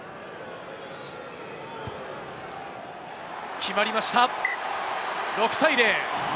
決まりました、６対０！